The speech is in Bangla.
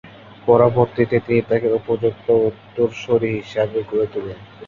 পরবর্তীতে তিনি তাঁকে উপযুক্ত উত্তরসূরি হিসাবে গড়ে তোলেন।